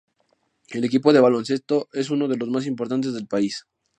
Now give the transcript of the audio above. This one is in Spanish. El equipo de baloncesto es uno de los más importantes del país.